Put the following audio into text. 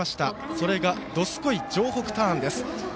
それが「どすこい城北ターン」です。